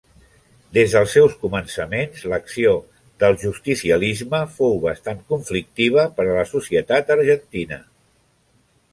Des dels seus començaments l'acció del justicialisme fou bastant conflictiva per a la societat argentina.